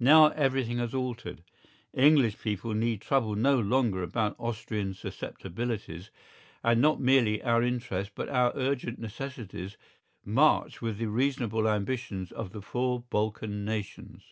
Now everything has altered. English people need trouble no longer about Austrian susceptibilities, and not merely our interests but our urgent necessities march with the reasonable ambitions of the four Balkan nations.